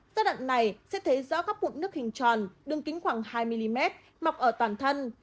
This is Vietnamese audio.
giai đoạn này sẽ thấy rõ các bụt nước hình tròn đường kính khoảng hai mm mọc ở toàn thân